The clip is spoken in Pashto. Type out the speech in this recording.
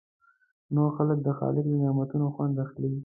نور خلک د خالق له نعمتونو خوند اخلي.